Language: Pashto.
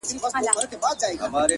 او ستا د خوب مېلمه به’